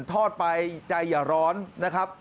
ทอดไปใจอย่าร้อนนะครับ